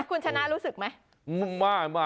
คุณชนะรู้สึกไหม